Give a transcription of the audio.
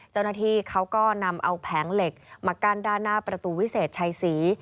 เจ้าหน้าที่เขาก็นำเอาแผงเหล็กมากั้นด้านหน้าประตูวิเศษชัยศรี